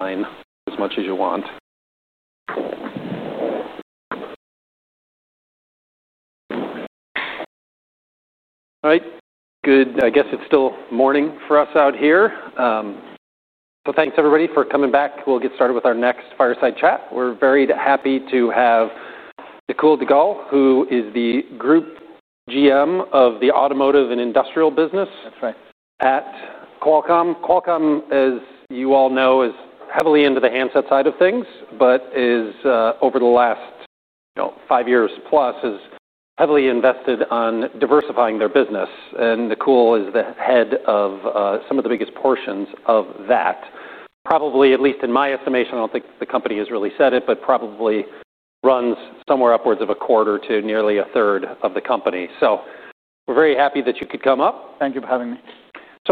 Line as much as you want. All right. Good. I guess it's still morning for us out here. Thanks, everybody, for coming back. We'll get started with our next fireside chat. We're very happy to have Nakul Duggal, who is the Group GM of the Automotive and Industrial Business. That's right. At Qualcomm. Qualcomm, as you all know, is heavily into the handset side of things, but is over the last five years plus has heavily invested in diversifying their business. Nakul is the head of some of the biggest portions of that. Probably, at least in my estimation, I don't think the company has really said it, but probably runs somewhere upwards of a quarter to nearly a third of the company. We're very happy that you could come up. Thank you for having me.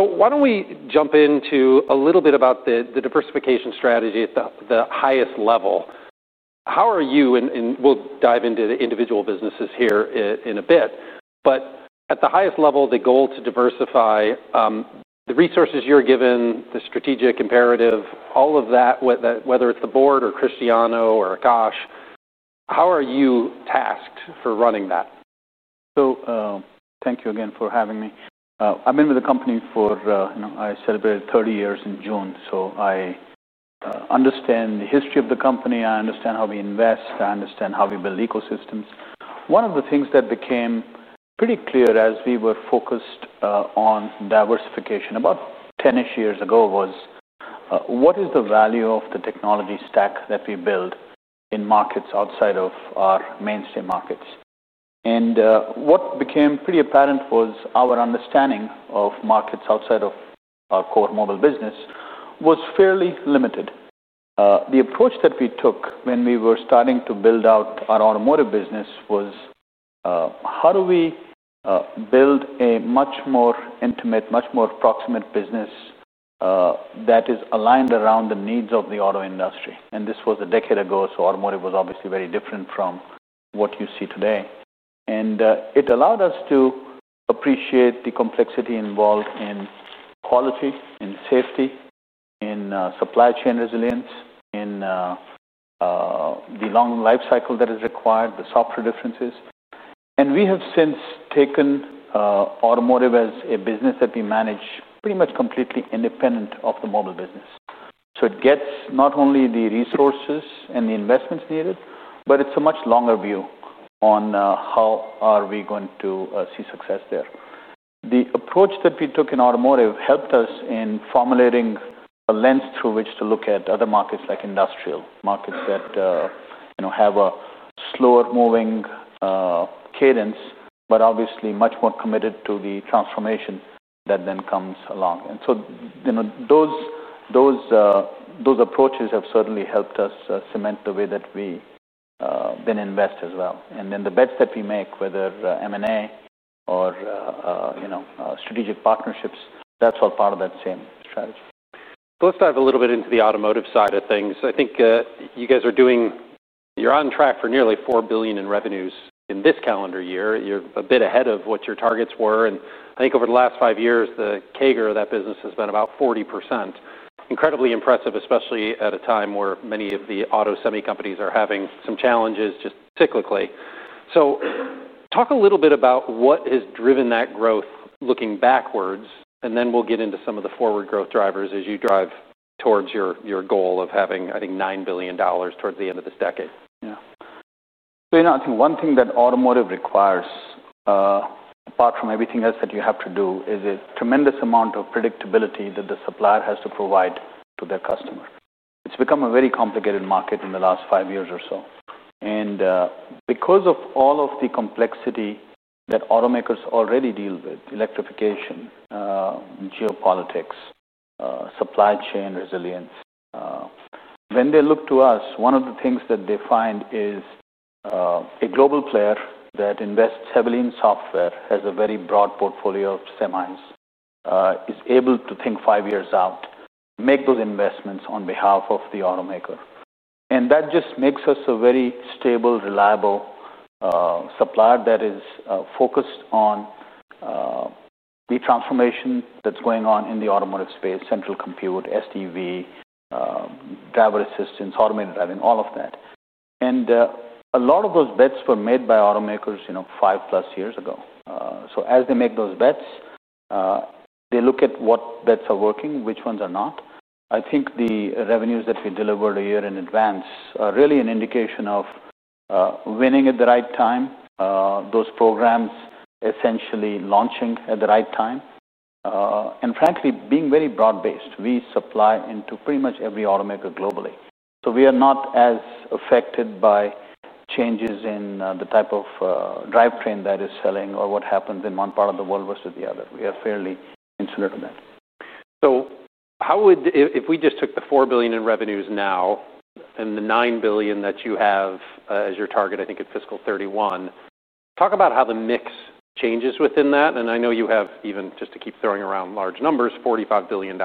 Why don't we jump into a little bit about the diversification strategy at the highest level? How are you? We'll dive into the individual businesses here in a bit. At the highest level, the goal to diversify, the resources you're given, the strategic imperative, all of that, whether it's the board or Cristiano or Akash, how are you tasked for running that? Thank you again for having me. I've been with the company for, you know, I celebrated 30 years in June. I understand the history of the company. I understand how we invest. I understand how we build ecosystems. One of the things that became pretty clear as we were focused on diversification about 10 years ago was what is the value of the technology stack that we build in markets outside of our mainstream markets? What became pretty apparent was our understanding of markets outside of our core mobile business was fairly limited. The approach that we took when we were starting to build out our automotive business was how do we build a much more intimate, much more proximate business that is aligned around the needs of the auto industry? This was a decade ago. Automotive was obviously very different from what you see today. It allowed us to appreciate the complexity involved in quality, in safety, in supply chain resilience, in the long lifecycle that is required, the software differences. We have since taken automotive as a business that we manage pretty much completely independent of the mobile business. It gets not only the resources and the investments needed, but it's a much longer view on how are we going to see success there. The approach that we took in automotive helped us in formulating a lens through which to look at other markets, like industrial markets that, you know, have a slower moving cadence, but obviously much more committed to the transformation that then comes along. Those approaches have certainly helped us cement the way that we then invest as well. The bets that we make, whether M&A or, you know, strategic partnerships, that's all part of that same strategy. Let's dive a little bit into the automotive side of things. I think you guys are doing, you're on track for nearly $4 billion in revenues in this calendar year. You're a bit ahead of what your targets were. I think over the last five years, the CAGR of that business has been about 40%. Incredibly impressive, especially at a time where many of the auto semicompanies are having some challenges just cyclically. Talk a little bit about what has driven that growth looking backwards. Then we'll get into some of the forward growth drivers as you drive towards your goal of having, I think, $9 billion towards the end of this decade. Yeah. I think one thing that automotive requires, apart from everything else that you have to do, is a tremendous amount of predictability that the supplier has to provide to their customer. It's become a very complicated market in the last five years or so. Because of all of the complexity that automakers already deal with, electrification, geopolitics, supply chain resilience, when they look to us, one of the things that they find is a global player that invests heavily in software, has a very broad portfolio of semis, is able to think five years out, make those investments on behalf of the automaker. That just makes us a very stable, reliable supplier that is focused on the transformation that's going on in the automotive space, central compute, SDV, driver assistance, automated driving, all of that. A lot of those bets were made by automakers five plus years ago. As they make those bets, they look at what bets are working, which ones are not. I think the revenues that we delivered a year in advance are really an indication of winning at the right time, those programs essentially launching at the right time, and frankly, being very broad-based. We supply into pretty much every automaker globally. We are not as affected by changes in the type of drivetrain that is selling or what happens in one part of the world versus the other. We are fairly insular to that. If we just took the $4 billion in revenues now and the $9 billion that you have as your target, I think at fiscal 2031, talk about how the mix changes within that. I know you have even, just to keep throwing around large numbers, a $45 billion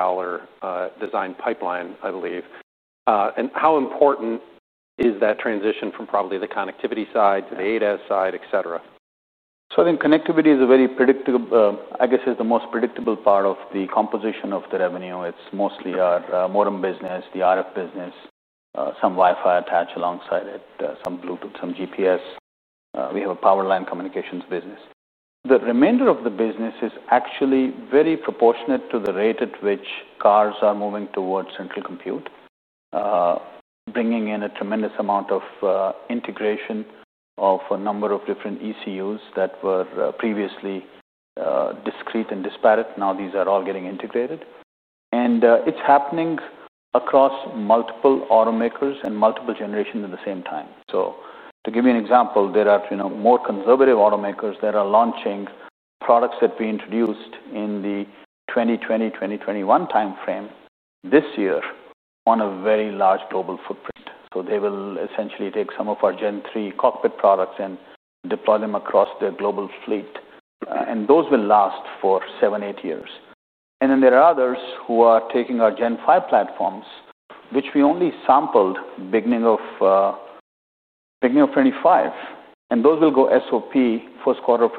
design pipeline, I believe. How important is that transition from probably the connectivity side to the ADAS side, et cetera? I think connectivity is a very predictable, I guess, is the most predictable part of the composition of the revenue. It's mostly our modem business, the RF business, some Wi-Fi attached alongside it, some Bluetooth, some GPS. We have a power line communications business. The remainder of the business is actually very proportionate to the rate at which cars are moving towards central compute, bringing in a tremendous amount of integration of a number of different ECUs that were previously discrete and disparate. Now these are all getting integrated. It's happening across multiple automakers and multiple generations at the same time. To give you an example, there are more conservative automakers that are launching products that we introduced in the 2020, 2021 timeframe this year on a very large global footprint. They will essentially take some of our Gen 3 cockpit products and deploy them across their global fleet, and those will last for seven, eight years. There are others who are taking our Gen 5 platforms, which we only sampled beginning of 2025, and those will go SOP first quarter of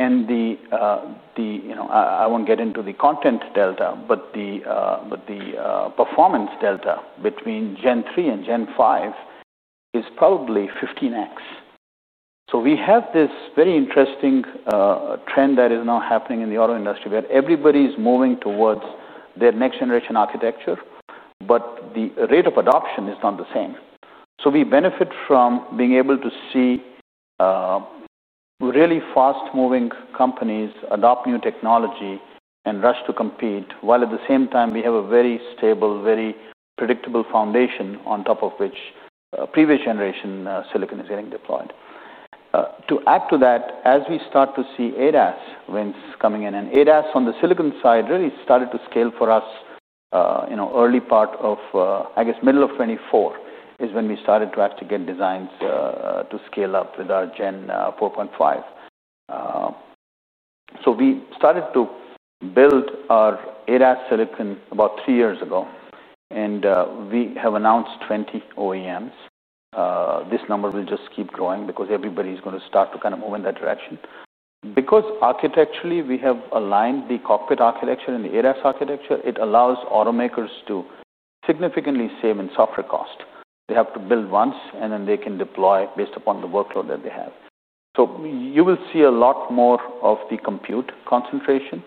2026. I won't get into the content delta, but the performance delta between Gen 3 and Gen 5 is probably 15x. We have this very interesting trend that is now happening in the auto industry where everybody's moving towards their next generation architecture, but the rate of adoption is not the same. We benefit from being able to see really fast-moving companies adopt new technology and rush to compete, while at the same time, we have a very stable, very predictable foundation on top of which previous generation silicon is getting deployed. To add to that, as we start to see ADAS wins coming in, and ADAS on the silicon side really started to scale for us, early part of, I guess, middle of 2024 is when we started to actually get designs to scale up with our Gen 4.5. We started to build our ADAS silicon about three years ago. We have announced 20 OEMs. This number will just keep growing because everybody's going to start to kind of move in that direction. Because architecturally, we have aligned the cockpit architecture and the ADAS architecture, it allows automakers to significantly save in software cost. They have to build once, and then they can deploy based upon the workload that they have. You will see a lot more of the compute concentration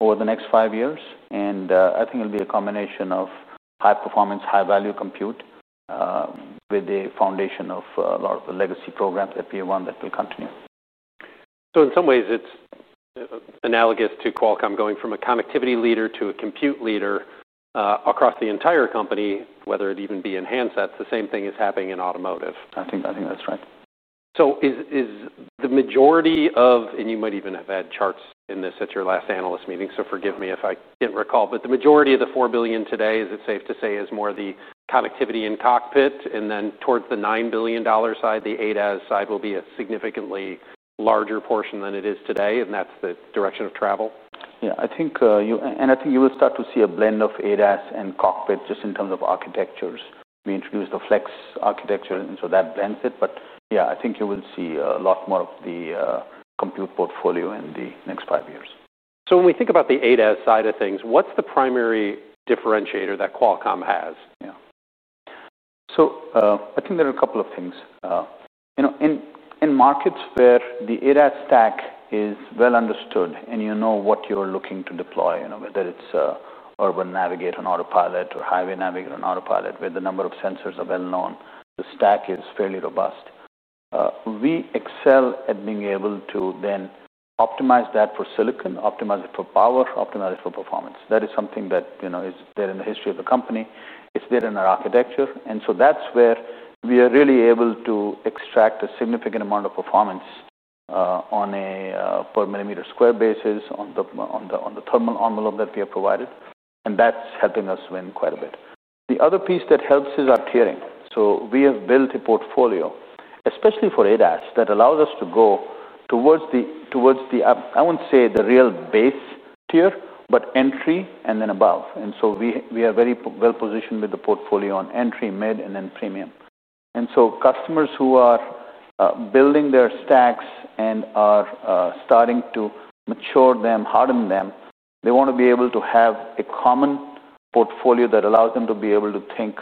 over the next five years. I think it'll be a combination of high performance, high value compute with a foundation of a lot of the legacy programs that we have on that will continue. In some ways, it's analogous to Qualcomm going from a connectivity leader to a compute leader across the entire company, whether it even be in handsets. The same thing is happening in automotive. I think that's right. Is the majority of, and you might even have had charts in this at your last analyst meeting, so forgive me if I can't recall, but the majority of the $4 billion today, is it safe to say, is more the connectivity and cockpit? Then towards the $9 billion side, the ADAS side will be a significantly larger portion than it is today. That's the direction of travel? I think you will start to see a blend of ADAS and cockpit just in terms of architectures. We introduced the Flex architecture, and that blends it. I think you will see a lot more of the compute portfolio in the next five years. When we think about the ADAS side of things, what's the primary differentiator that Qualcomm has? Yeah. I think there are a couple of things. In markets where the ADAS stack is well understood and you know what you're looking to deploy, whether it's an urban navigator on autopilot or highway navigator on autopilot, where the number of sensors are well known, the stack is fairly robust. We excel at being able to then optimize that for silicon, optimize it for power, optimize it for performance. That is something that is there in the history of the company. It's there in our architecture. That's where we are really able to extract a significant amount of performance on a per millimeter square basis on the thermal envelope that we have provided. That's helping us win quite a bit. The other piece that helps is our tiering. We have built a portfolio, especially for ADAS, that allows us to go towards the, I won't say the real base tier, but entry and then above. We are very well positioned with the portfolio on entry, mid, and then premium. Customers who are building their stacks and are starting to mature them, harden them, they want to be able to have a common portfolio that allows them to be able to think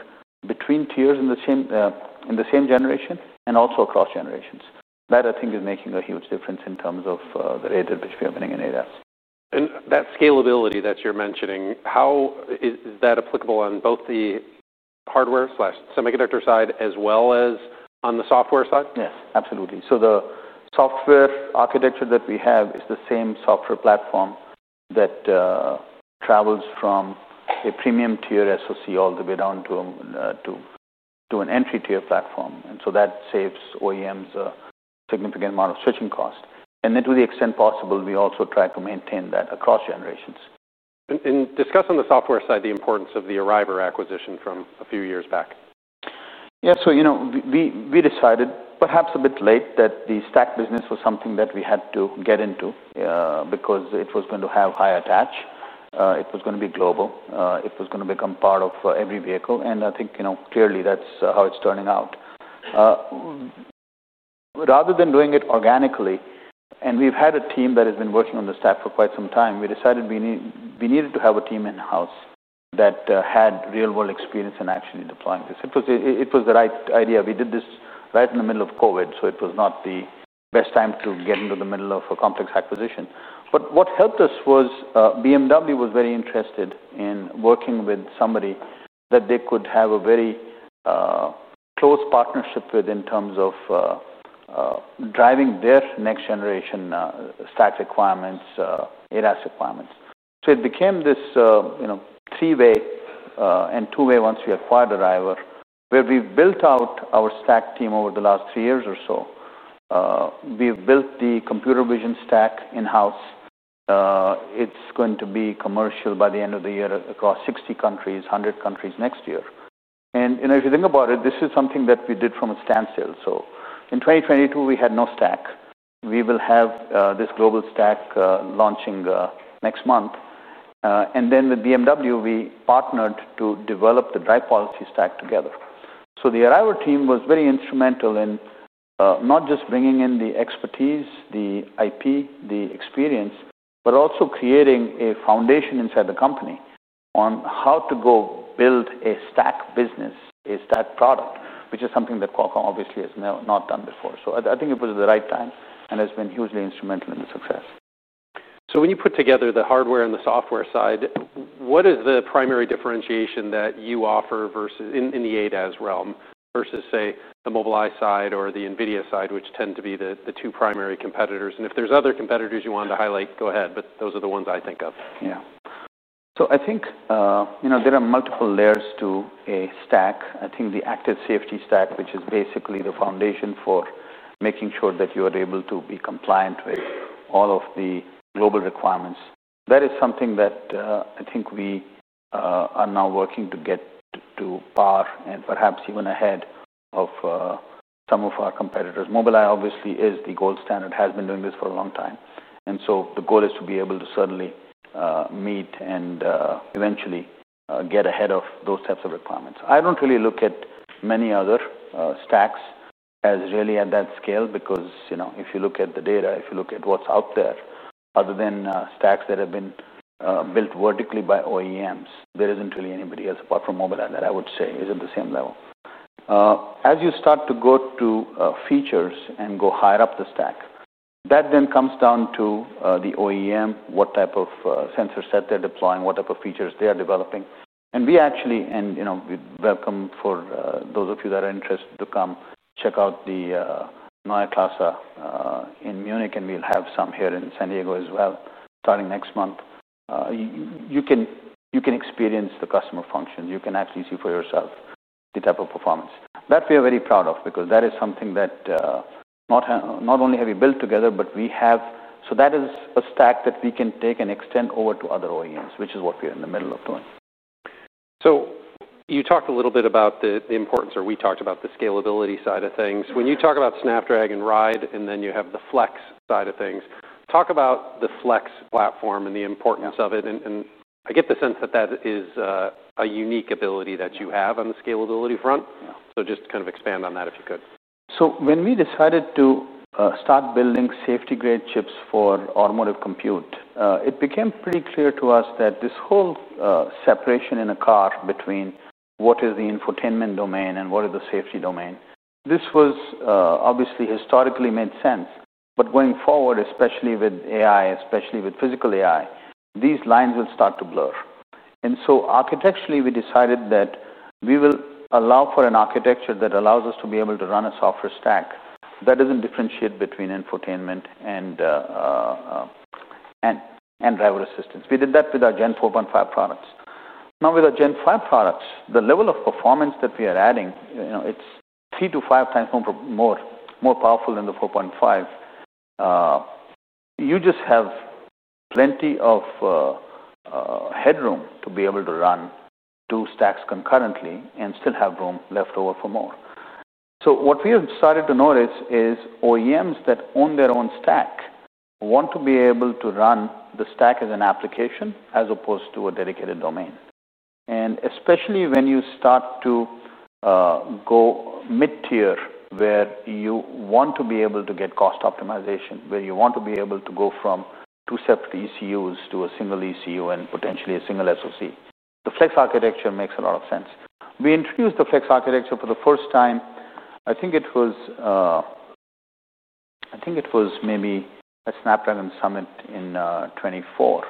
between tiers in the same generation and also across generations. That I think is making a huge difference in terms of the rate at which we are winning in ADAS. That scalability that you're mentioning, how is that applicable on both the hardware/semiconductor side as well as on the software side? Yes, absolutely. The software architecture that we have is the same software platform that travels from a premium tier SoC all the way down to an entry tier platform. That saves OEMs a significant amount of switching cost. To the extent possible, we also try to maintain that across generations. Please discuss on the software side the importance of the Arriver acquisition from a few years back. Yeah, so you know, we decided perhaps a bit late that the stack business was something that we had to get into because it was going to have high attach. It was going to be global. It was going to become part of every vehicle. I think, you know, clearly that's how it's turning out. Rather than doing it organically, and we've had a team that has been working on the stack for quite some time, we decided we needed to have a team in-house that had real-world experience in actually deploying this. It was the right idea. We did this right in the middle of COVID, so it was not the best time to get into the middle of a complex acquisition. What helped us was BMW was very interested in working with somebody that they could have a very close partnership with in terms of driving their next generation stack requirements, ADAS requirements. It became this, you know, three-way and two-way once we acquired Arriver, where we've built out our stack team over the last three years or so. We've built the computer vision stack in-house. It's going to be commercial by the end of the year across 60 countries, 100 countries next year. You know, if you think about it, this is something that we did from a standstill. In 2022, we had no stack. We will have this global stack launching next month. With BMW, we partnered to develop the drive policy stack together. The Arriver team was very instrumental in not just bringing in the expertise, the IP, the experience, but also creating a foundation inside the company on how to go build a stack business, a stack product, which is something that Qualcomm obviously has not done before. I think it was at the right time and has been hugely instrumental in the success. When you put together the hardware and the software side, what is the primary differentiation that you offer in the ADAS realm versus, say, the Mobileye side or the NVIDIA side, which tend to be the two primary competitors? If there's other competitors you wanted to highlight, go ahead, but those are the ones I think of. Yeah. I think there are multiple layers to a stack. I think the active safety stack, which is basically the foundation for making sure that you are able to be compliant with all of the global requirements, is something that I think we are now working to get to par and perhaps even ahead of some of our competitors. Mobileye obviously is the gold standard, has been doing this for a long time. The goal is to be able to certainly meet and eventually get ahead of those types of requirements. I don't really look at many other stacks as really at that scale because, if you look at the data, if you look at what's out there, other than stacks that have been built vertically by OEMs, there isn't really anybody else apart from Mobileye that I would say is at the same level. As you start to go to features and go higher up the stack, that then comes down to the OEM, what type of sensor set they're deploying, what type of features they are developing. We actually welcome, for those of you that are interested, to come check out the Neue Klasse in Munich, and we'll have some here in San Diego as well, starting next month. You can experience the customer function. You can actually see for yourself the type of performance that we are very proud of because that is something that not only have we built together, but we have, so that is a stack that we can take and extend over to other OEMs, which is what we're in the middle of doing. You talked a little bit about the importance, or we talked about the scalability side of things. When you talk about Snapdragon Ride, and then you have the Flex side of things, talk about the Flex platform and the importance of it. I get the sense that that is a unique ability that you have on the scalability front. Just kind of expand on that if you could. When we decided to start building safety-grade chips for automotive compute, it became pretty clear to us that this whole separation in a car between what is the infotainment domain and what is the safety domain, this obviously historically made sense. Going forward, especially with AI, especially with physical AI, these lines will start to blur. Architecturally, we decided that we will allow for an architecture that allows us to be able to run a software stack that doesn't differentiate between infotainment and driver assistance. We did that with our Gen 4.5 products. Now with our Gen 5 products, the level of performance that we are adding, you know, it's 3-5x more powerful than the Gen 4.5. You just have plenty of headroom to be able to run two stacks concurrently and still have room left over for more. What we have started to notice is OEMs that own their own stack want to be able to run the stack as an application as opposed to a dedicated domain. Especially when you start to go mid-tier where you want to be able to get cost optimization, where you want to be able to go from two separate ECUs to a single ECU and potentially a single SoC, the flex architecture makes a lot of sense. We introduced the flex architecture for the first time. I think it was maybe at Snapdragon Summit in 2024.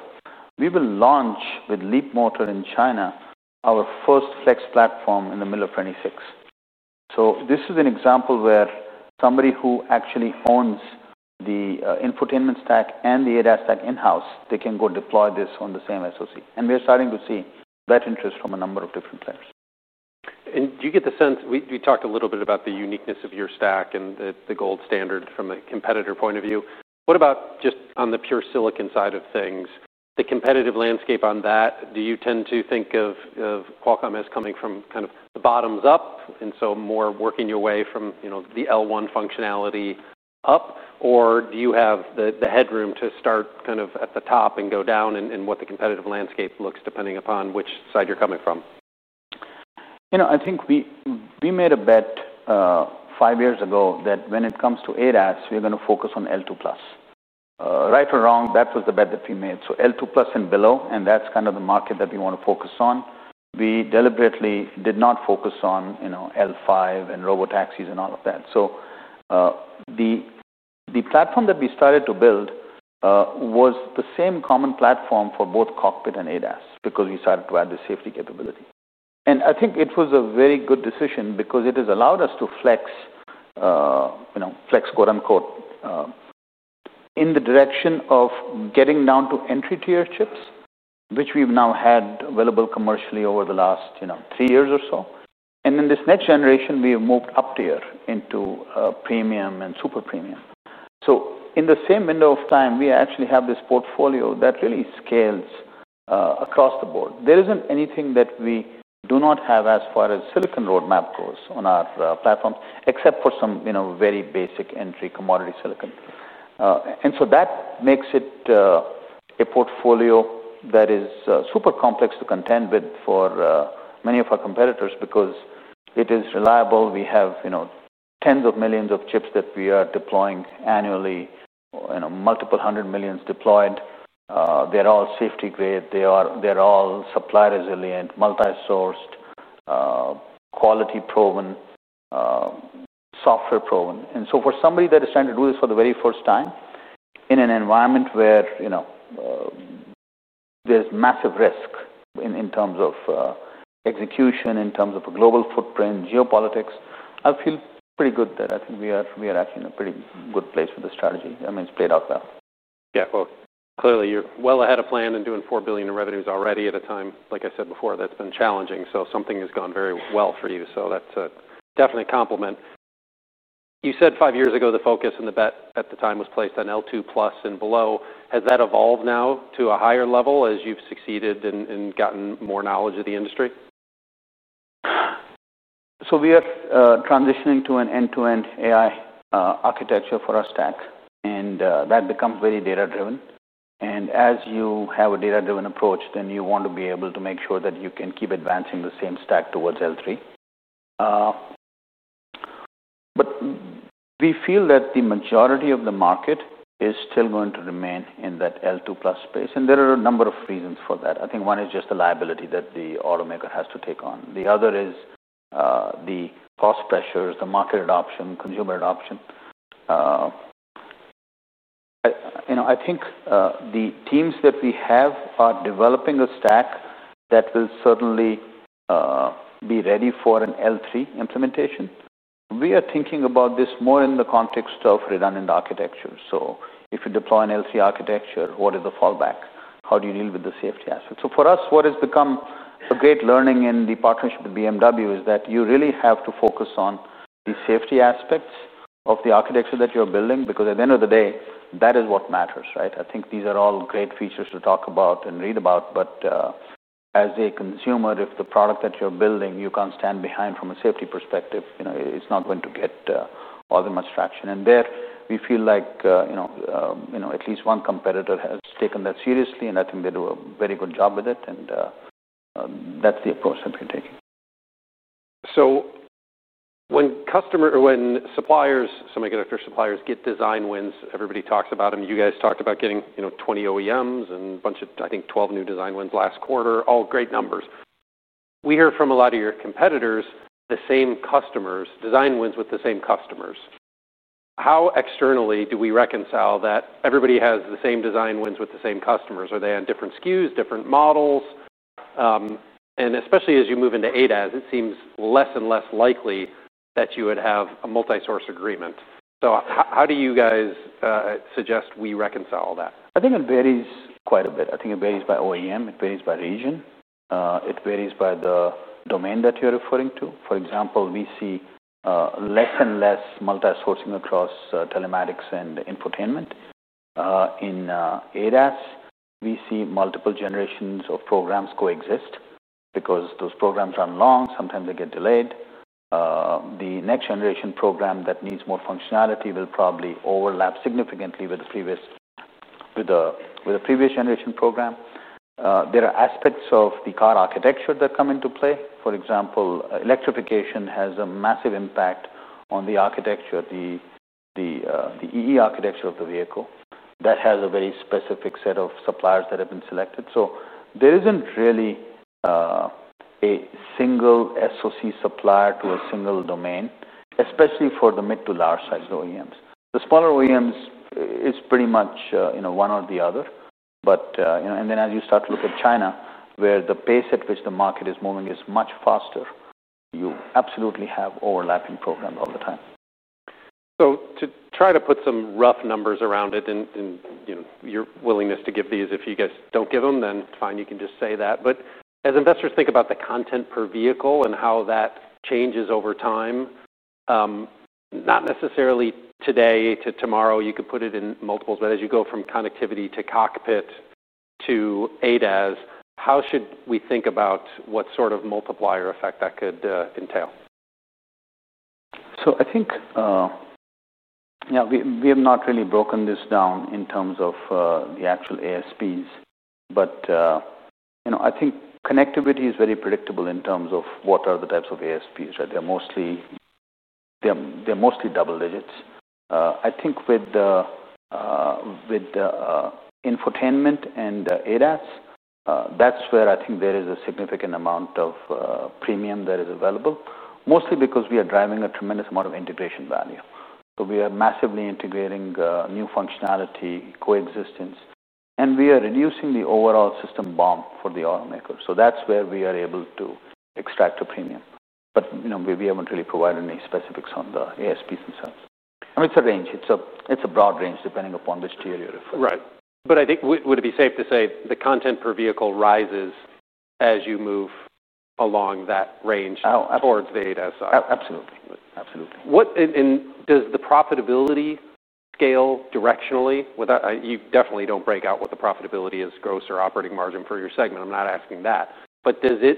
We will launch with Leapmotor in China, our first flex platform in the middle of 2026. This is an example where somebody who actually owns the infotainment stack and the ADAS stack in-house, they can go deploy this on the same SoC. We're starting to see that interest from a number of different players. Do you get the sense, we talked a little bit about the uniqueness of your stack and the gold standard from a competitor point of view. What about just on the pure silicon side of things, the competitive landscape on that? Do you tend to think of Qualcomm as coming from kind of the bottoms up and so more working your way from, you know, the L1 functionality up? Or do you have the headroom to start kind of at the top and go down in what the competitive landscape looks depending upon which side you're coming from? I think we made a bet five years ago that when it comes to ADAS, we're going to focus on L2+. Right or wrong, that was the bet that we made. L2+ and below, and that's kind of the market that we want to focus on. We deliberately did not focus on L5 and robotaxis and all of that. The platform that we started to build was the same common platform for both cockpit and ADAS because we started to add the safety capability. I think it was a very good decision because it has allowed us to flex, quote unquote, in the direction of getting down to entry tier chips, which we've now had available commercially over the last three years or so. This next generation, we've moved up tier into premium and super premium. In the same window of time, we actually have this portfolio that really scales across the board. There isn't anything that we do not have as far as silicon roadmap goes on our platform, except for some very basic entry commodity silicon. That makes it a portfolio that is super complex to contend with for many of our competitors because it is reliable. We have tens of millions of chips that we are deploying annually, multiple hundred millions deployed. They're all safety grade. They're all supply resilient, multi-sourced, quality proven, software proven. For somebody that is trying to do this for the very first time in an environment where there's massive risk in terms of execution, in terms of a global footprint, geopolitics, I feel pretty good that I think we are actually in a pretty good place with the strategy. I mean, it's played out well. Clearly you're well ahead of plan and doing $4 billion in revenues already at a time, like I said before, that's been challenging. Something has gone very well for you. That's a definite compliment. You said five years ago the focus and the bet at the time was placed on L2+ and below. Has that evolved now to a higher level as you've succeeded and gotten more knowledge of the industry? We are transitioning to an end-to-end AI architecture for our stack. That becomes very data-driven. As you have a data-driven approach, you want to be able to make sure that you can keep advancing the same stack towards L3. We feel that the majority of the market is still going to remain in that L2+ space. There are a number of reasons for that. I think one is just the liability that the automaker has to take on. The other is the cost pressures, the market adoption, consumer adoption. I think the teams that we have are developing a stack that will certainly be ready for an L3 implementation. We are thinking about this more in the context of redundant architecture. If you deploy an L3 architecture, what is the fallback? How do you deal with the safety aspects? For us, what has become a great learning in the partnership with BMW is that you really have to focus on the safety aspects of the architecture that you're building because at the end of the day, that is what matters, right? I think these are all great features to talk about and read about. As a consumer, if the product that you're building, you can't stand behind from a safety perspective, it's not going to get all that much traction. There we feel like at least one competitor has taken that seriously. I think they do a very good job with it. That's the approach that we're taking. When customers or when suppliers, semiconductor suppliers get design wins, everybody talks about them. You guys talk about getting, you know, 20 OEMs and a bunch of, I think, 12 new design wins last quarter, all great numbers. We hear from a lot of your competitors, the same customers, design wins with the same customers. How externally do we reconcile that everybody has the same design wins with the same customers? Are they on different SKUs, different models? Especially as you move into ADAS, it seems less and less likely that you would have a multi-source agreement. How do you guys suggest we reconcile that? I think it varies quite a bit. I think it varies by OEM. It varies by region. It varies by the domain that you're referring to. For example, we see less and less multi-sourcing across telematics and infotainment. In ADAS, we see multiple generations of programs coexist because those programs run long. Sometimes they get delayed. The next generation program that needs more functionality will probably overlap significantly with the previous generation program. There are aspects of the car architecture that come into play. For example, electrification has a massive impact on the architecture, the EE architecture of the vehicle that has a very specific set of suppliers that have been selected. There isn't really a single SoC supplier to a single domain, especially for the mid to large size OEMs. The smaller OEMs are pretty much, you know, one or the other. As you start to look at China, where the pace at which the market is moving is much faster, you absolutely have overlapping programs all the time. To try to put some rough numbers around it, and your willingness to give these, if you guys don't give them, then fine, you can just say that. As investors think about the content per vehicle and how that changes over time, not necessarily today to tomorrow, you could put it in multiples. As you go from connectivity to cockpit to ADAS, how should we think about what sort of multiplier effect that could entail? I think, you know, we have not really broken this down in terms of the actual ASPs, but, you know, I think connectivity is very predictable in terms of what are the types of ASPs, right? They're mostly double digits. I think with infotainment and ADAS, that's where I think there is a significant amount of premium that is available, mostly because we are driving a tremendous amount of integration value. We are massively integrating new functionality, coexistence, and we are reducing the overall system BOM for the automaker. That's where we are able to extract a premium. You know, we haven't really provided any specifics on the ASPs themselves. I mean, it's a range. It's a broad range depending upon which tier you're referring to. Right. I think would it be safe to say the content per vehicle rises as you move along that range towards the ADAS side? Absolutely. Absolutely. Does the profitability scale directionally? You definitely don't break out what the profitability is, gross or operating margin for your segment. I'm not asking that. Does it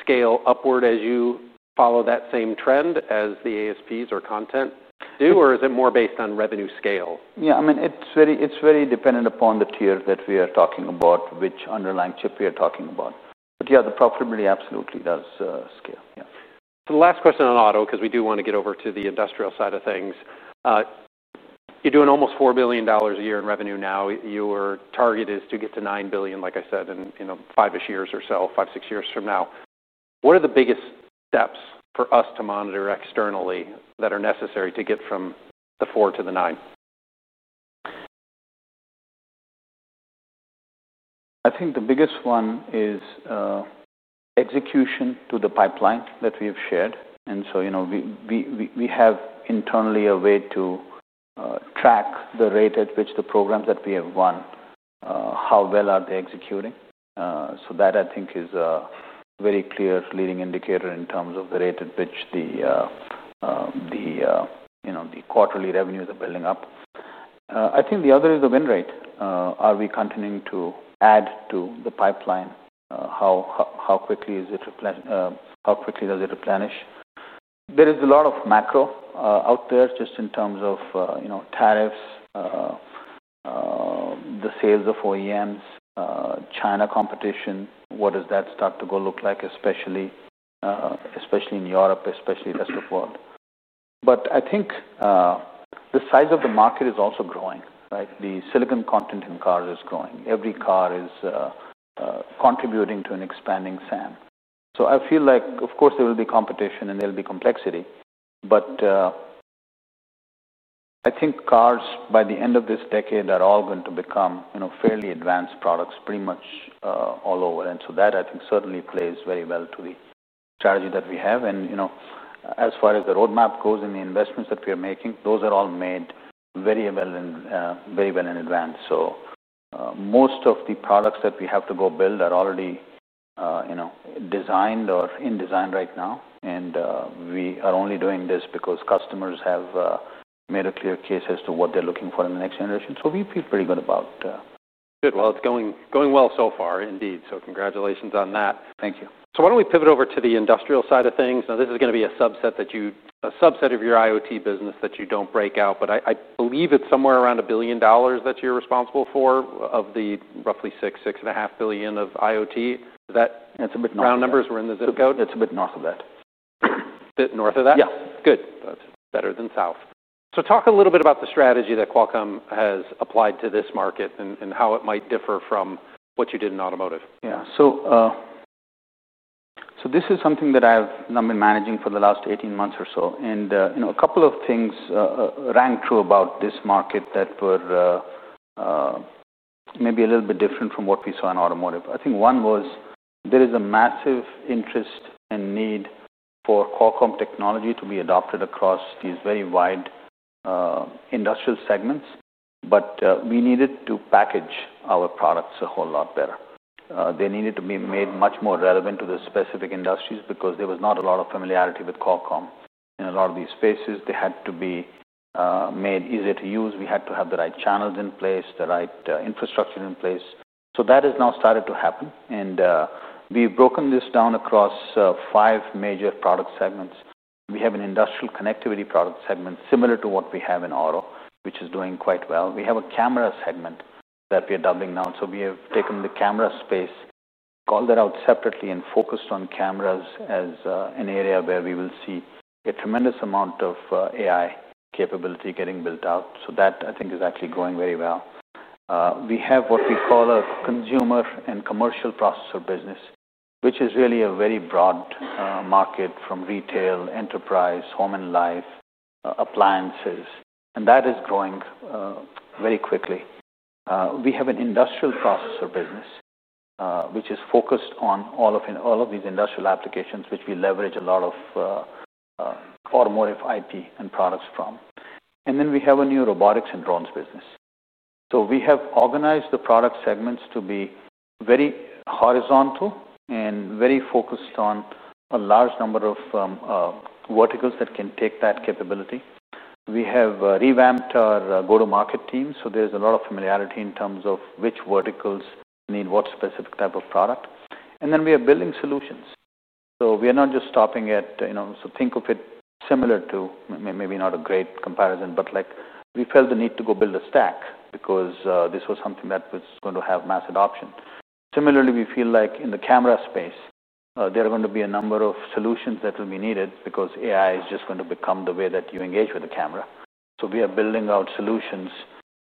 scale upward as you follow that same trend as the ASPs or content do, or is it more based on revenue scale? Yeah, I mean, it's very dependent upon the tier that we are talking about, which underlying chip we are talking about. The profitability absolutely does scale. Yeah. The last question on auto, because we do want to get over to the industrial side of things. You're doing almost $4 billion a year in revenue now. Your target is to get to $9 billion, like I said, in five-ish years or so, five, six years from now. What are the biggest steps for us to monitor externally that are necessary to get from the $4 billion to the $9 billion? I think the biggest one is execution to the pipeline that we have shared. We have internally a way to track the rate at which the programs that we have won, how well are they executing. That is a very clear leading indicator in terms of the rate at which the quarterly revenues are building up. I think the other is the win rate. Are we continuing to add to the pipeline? How quickly does it replenish? There is a lot of macro out there just in terms of tariffs, the sales of OEMs, China competition, what does that start to look like, especially in Europe, especially the rest of the world. I think the size of the market is also growing, right? The silicon content in cars is growing. Every car is contributing to an expanding SAN. I feel like, of course, there will be competition and there will be complexity. I think cars by the end of this decade are all going to become fairly advanced products pretty much all over. That certainly plays very well to the strategy that we have. As far as the roadmap goes and the investments that we are making, those are all made very well in advance. Most of the products that we have to go build are already designed or in design right now. We are only doing this because customers have made a clear case as to what they're looking for in the next generation. We feel pretty good about that. Good. It's going well so far indeed. Congratulations on that. Thank you. Why don't we pivot over to the industrial side of things? This is going to be a subset of your IoT business that you don't break out. I believe it's somewhere around $1 billion that you're responsible for of the roughly $6 billion, $6.5 billion of IoT. Is that, it's a bit round numbers? We're in the zip code? It's a bit north of that. A bit north of that? Yeah. Good. That's better than south. Talk a little bit about the strategy that Qualcomm has applied to this market and how it might differ from what you did in automotive. Yeah. This is something that I've been managing for the last 18 months or so. A couple of things rang true about this market that were maybe a little bit different from what we saw in automotive. I think one was there is a massive interest and need for Qualcomm technology to be adopted across these very wide industrial segments. We needed to package our products a whole lot better. They needed to be made much more relevant to the specific industries because there was not a lot of familiarity with Qualcomm in a lot of these spaces. They had to be made easier to use. We had to have the right channels in place, the right infrastructure in place. That has now started to happen. We've broken this down across five major product segments. We have an industrial connectivity product segment similar to what we have in auto, which is doing quite well. We have a camera segment that we are doubling now. We have taken the camera space, called that out separately, and focused on cameras as an area where we will see a tremendous amount of AI capability getting built out. That is actually going very well. We have what we call a consumer and commercial processor business, which is really a very broad market from retail, enterprise, home and life, appliances. That is growing very quickly. We have an industrial processor business, which is focused on all of these industrial applications, which we leverage a lot of automotive IT and products from. We have a new robotics and drones business. We have organized the product segments to be very horizontal and very focused on a large number of verticals that can take that capability. We have revamped our go-to-market team. There is a lot of familiarity in terms of which verticals need what specific type of product. We are building solutions. We are not just stopping at, you know, think of it similar to, maybe not a great comparison, but like we felt the need to go build a stack because this was something that was going to have mass adoption. Similarly, we feel like in the camera space, there are going to be a number of solutions that will be needed because AI is just going to become the way that you engage with the camera. We are building out solutions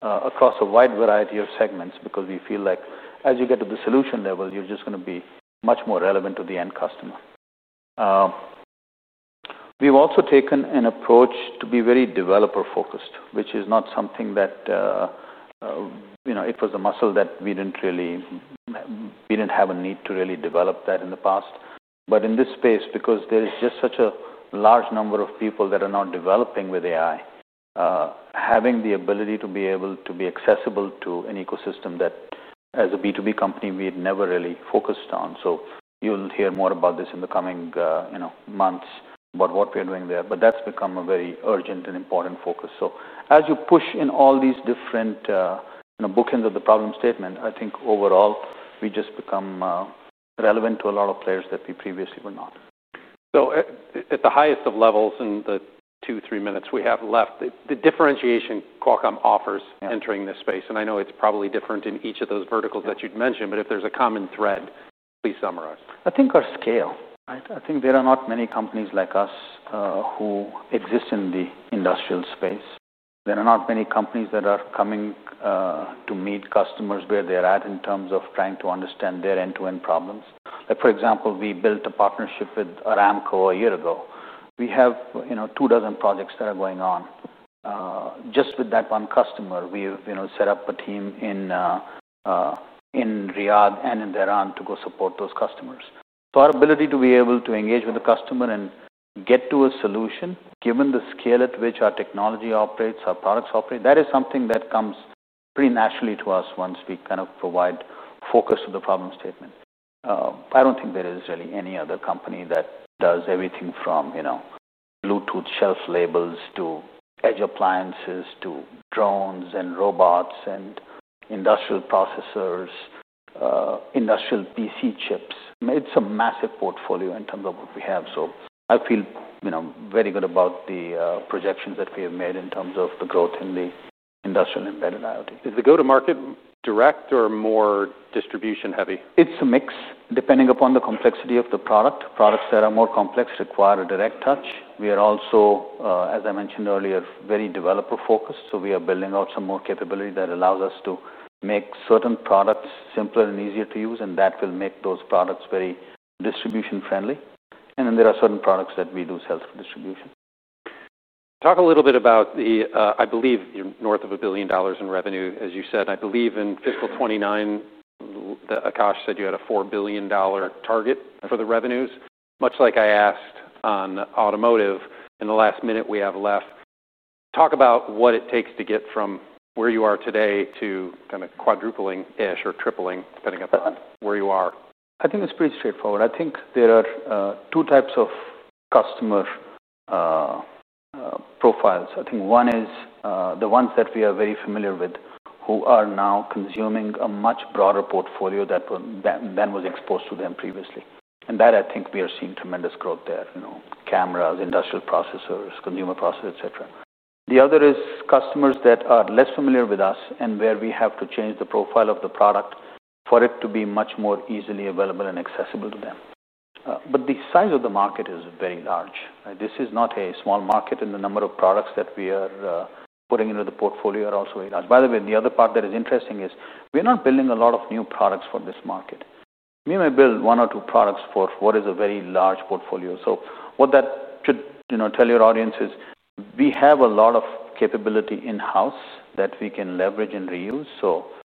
across a wide variety of segments because we feel like as you get to the solution level, you're just going to be much more relevant to the end customer. We've also taken an approach to be very developer-focused, which is not something that, you know, it was a muscle that we didn't really have a need to really develop in the past. In this space, because there's just such a large number of people that are now developing with AI, having the ability to be able to be accessible to an ecosystem that as a B2B company, we had never really focused on. You'll hear more about this in the coming months about what we're doing there. That's become a very urgent and important focus. As you push in all these different bookends of the problem statement, I think overall we just become relevant to a lot of players that we previously were not. At the highest of levels, in the two, three minutes we have left, the differentiation Qualcomm offers entering this space. I know it's probably different in each of those verticals that you'd mentioned, but if there's a common thread, please summarize. I think our scale, right? I think there are not many companies like us who exist in the industrial space. There are not many companies that are coming to meet customers where they're at in terms of trying to understand their end-to-end problems. For example, we built a partnership with Aramco a year ago. We have two dozen projects that are going on. Just with that one customer, we've set up a team in Riyadh and in Tehran to go support those customers. Our ability to be able to engage with the customer and get to a solution, given the scale at which our technology operates, our products operate, that is something that comes pretty naturally to us once we kind of provide focus to the problem statement. I don't think there is really any other company that does everything from Bluetooth shelf labels to edge appliances to drones and robots and industrial processors, industrial PC chips. It's a massive portfolio in terms of what we have. I feel very good about the projections that we have made in terms of the growth in the industrial embedded IoT. Is the go-to-market direct or more distribution heavy? It's a mix depending upon the complexity of the product. Products that are more complex require a direct touch. We are also, as I mentioned earlier, very developer-focused. We are building out some more capability that allows us to make certain products simpler and easier to use. That will make those products very distribution-friendly. There are certain products that we do sell through distribution. Talk a little bit about the, I believe, you're north of $1 billion in revenue, as you said. I believe in fiscal 2029, Akash said you had a $4 billion target for the revenues. Much like I asked on automotive, in the last minute we have left, talk about what it takes to get from where you are today to kind of quadrupling-ish or tripling, depending upon where you are. I think it's pretty straightforward. I think there are two types of customer profiles. I think one is the ones that we are very familiar with, who are now consuming a much broader portfolio than was exposed to them previously. I think we are seeing tremendous growth there, you know, cameras, industrial processors, consumer processors, et cetera. The other is customers that are less familiar with us and where we have to change the profile of the product for it to be much more easily available and accessible to them. The size of the market is very large. This is not a small market, and the number of products that we are putting into the portfolio are also very large. By the way, the other part that is interesting is we're not building a lot of new products for this market. We may build one or two products for what is a very large portfolio. What that should, you know, tell your audience is we have a lot of capability in-house that we can leverage in real.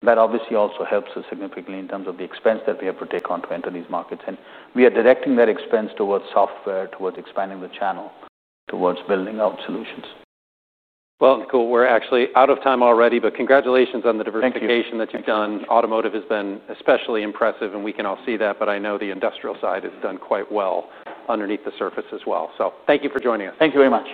That obviously also helps us significantly in terms of the expense that we have to take on to enter these markets. We are directing that expense towards software, towards expanding the channel, towards building out solutions. We're actually out of time already, but congratulations on the diversification that you've done. Automotive has been especially impressive, and we can all see that. I know the industrial side has done quite well underneath the surface as well. Thank you for joining us. Thank you very much.